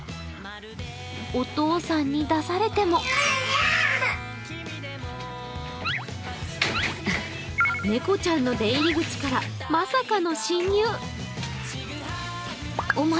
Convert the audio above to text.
お父さんに出されても猫ちゃんの出入り口からまさかの進入。